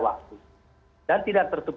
waktu dan tidak tertutup